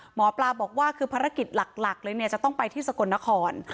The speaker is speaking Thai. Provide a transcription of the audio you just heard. หมอปลาบอกว่าคือภารกิจหลักเลยเนี่ยจะต้องไปที่สกลนคร